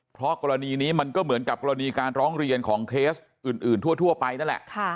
เพราะกรณีนี้มันก็เหมือนกับกรณีการร้องเรียนของเคสอื่นทั่วไปนั่นแหละ